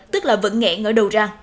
tức là vẫn nghẹn ở đầu ra